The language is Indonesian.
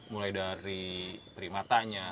mulai dari primatanya